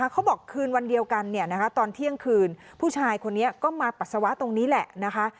คืนวันเดียวกันตอนเที่ยงคืนผู้ชายคนนี้ก็มาปัสสาวะตรงนี้แหละนะคะ